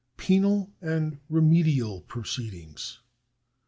Penal and Remedial Proceedings.